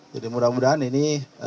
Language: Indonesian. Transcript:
jadi mudah mudahan ini